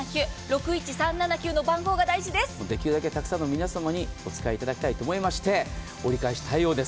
できるだけたくさんの皆様にお使いいただきたいと思いまして、折り返し対応です。